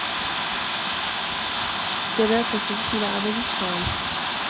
تَنَافَسُوا فِي الْعَمَلِ الصَّالِحِ.